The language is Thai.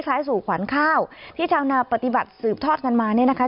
สู่ขวัญข้าวที่ชาวนาปฏิบัติสืบทอดกันมาเนี่ยนะคะ